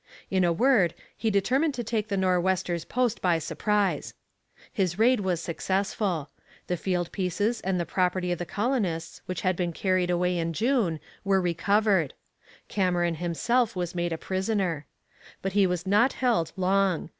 In a word, he determined to take the Nor'westers' post by surprise. His raid was successful. The field pieces and the property of the colonists which had been carried away in June were recovered. Cameron himself was made a prisoner. But he was not held long.